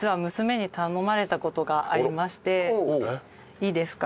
いいですか？